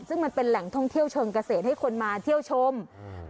ซึ่งมันเป็นแหล่งท่องเที่ยวเชิงเกษตรให้คนมาเที่ยวชมอืม